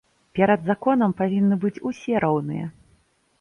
Перад законам павінны быць усе роўныя.